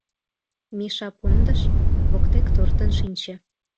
Миша пундыш: воктек туртын шинче.